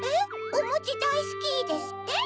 「おもちだいすき」ですって？